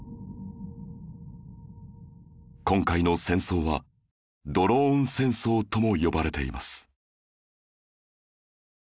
今回の戦争はドローン戦争とも呼ばれています